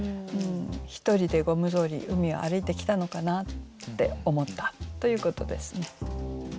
１人でゴム草履海を歩いてきたのかなって思ったということですね。